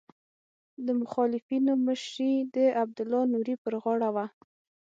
د مخالفینو مشري د عبدالله نوري پر غاړه وه.